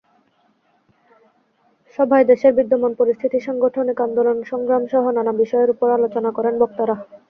সভায় দেশের বিদ্যমান পরিস্থিতি, সাংগঠনিক আন্দোলন–সংগ্রামসহ নানা বিষয়ের ওপর আলোচনা করেন বক্তারা।